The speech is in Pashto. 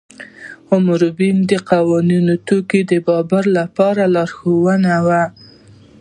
حموربي د قوانینو ټولګه د بابل لپاره لارښود وه.